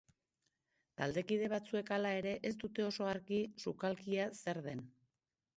Taldekide batzuek, hala ere, ez dute oso argi sukalkia zer den.